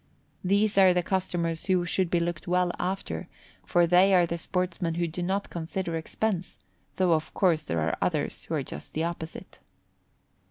These are the customers who should be looked well after, for they are the sportsmen who do not consider expense, though of course there are others who are just the opposite.